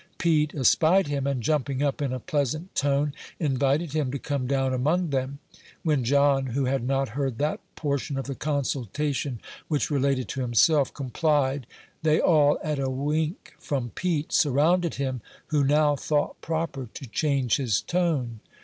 Pete espied him, and jumping up, in a pleasant tone invited him to come down among them, when John, who had not heard that portion of the consultation which related to himself, complied: they all, at a wink from Pete, surrounded him, who now thought proper to change his tone.